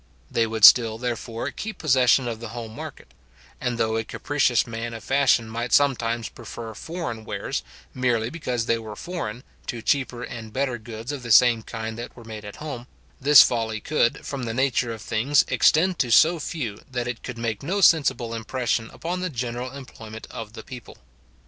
They would still, therefore, keep possession of the home market; and though a capricious man of fashion might sometimes prefer foreign wares, merely because they were foreign, to cheaper and better goods of the same kind that were made at home, this folly could, from the nature of things, extend to so few, that it could make no sensible impression upon the general employment of the people.